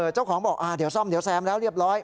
เจ้าของบอกเดี๋ยวซ่อมเดี๋ยวแซมแล้วเรียบร้อย